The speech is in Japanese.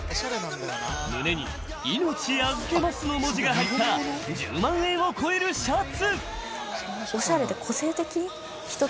胸に「命預けます」の文字が入った１０万円を超えるシャツ。